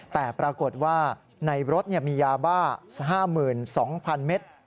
แต่ปรากฏว่าในรถมียาบ้า๕๒๐๐๐เมตร